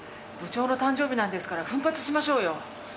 部長の誕生日なんですから奮発しましょうよ。